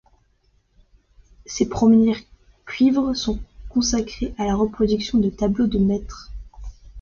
Ses premiers cuivres sont consacrés à la reproduction de tableaux de maîtres.